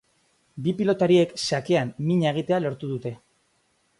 Bi pilotariek sakean mina egitea lortu dute.